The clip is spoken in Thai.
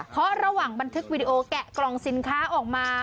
เพราะระหว่างบันทึกวิดีโอแกะกล่องสินค้าออกมา